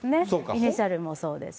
イニシャルもそうですし。